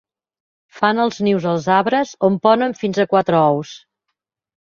Fan els nius als arbres, on ponen fins a quatre ous.